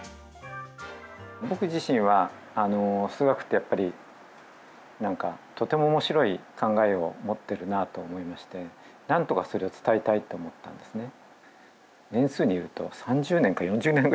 僕自身は数学って、やっぱりとてもおもしろい考えを持ってるなと思いましてなんとか、それを伝えたいって思ったんですね。